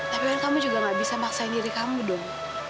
tapi kan kamu juga gak bisa maksain diri kamu dong